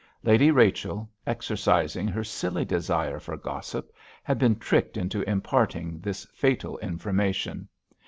Lady Rachel, exercising her silly desire for gossip, had been tricked into imparting this fatal information.